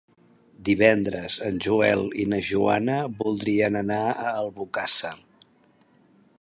Divendres en Joel i na Joana voldrien anar a Albocàsser.